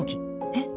えっ！